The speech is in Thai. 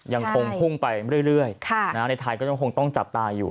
ยังคงพุ่งไปเรื่อยในไทยก็ยังคงต้องจับตาอยู่